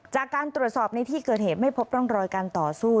จากการตรวจสอบในที่เกิดเหตุไม่พบร่องรอยการต่อสู้